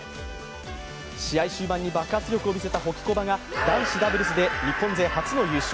試合終盤に爆発力を見せたホキコバが男子ダブルスで日本勢初の優勝。